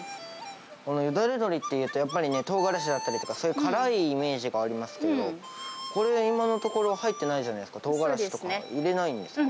よだれ鶏っていうと、やっぱりね、トウガラシだったりとか、そういう辛いイメージがありますけど、これ、今のところ、入ってないじゃないですか、トウガラシとか入れないんですか？